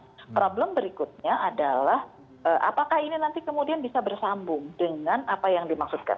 jadi problem berikutnya adalah apakah ini nanti kemudian bisa bersambung dengan apa yang dimaksudkan